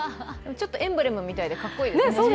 ちょっとエンブレムみたいでかっこいいですね。